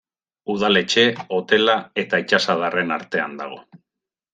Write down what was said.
Udaletxe, hotela eta itsasadarraren artean dago.